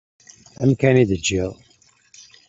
Amkan i d-teǧǧiḍ.